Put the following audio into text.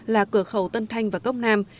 là cửa khẩu tân thanh và cốc nam